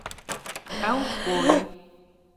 Ew borî.